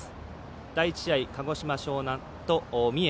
第１試合、鹿児島樟南と三重。